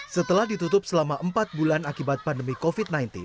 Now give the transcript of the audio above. setelah ditutup selama empat bulan akibat pandemi covid sembilan belas